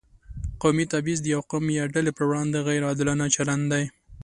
قومي تبعیض د یو قوم یا ډلې پر وړاندې غیر عادلانه چلند دی.